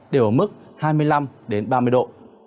đều ở mức hai mươi năm ba mươi độ